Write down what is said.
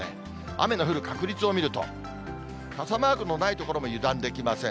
雨の降る確率を見ると、傘マークのない所も油断できません。